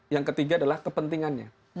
yang ketiga adalah kepentingannya